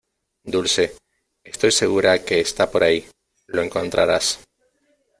Dulce, estoy segura que está por ahí. Lo encontrarás .